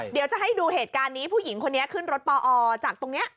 เดี๋ยวจะให้ดูเหตุการณ์นี้ผู้หญิงคนนี้ขึ้นรถปอจากตรงนี้